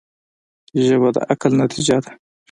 ژبه د عقل نتیجه ده